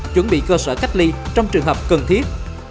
chuẩn bị cơ sở cách ly trong trường hợp cần thiết